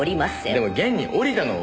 でも現に降りたのは。